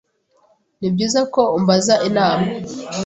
Nibyiza ko umbaza inama.